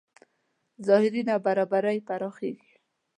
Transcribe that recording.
ظاهري نابرابرۍ پراخېږي.